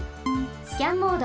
スキャンモード。